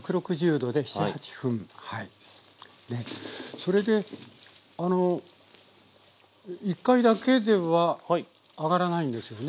それであの１回だけでは揚がらないんですよね？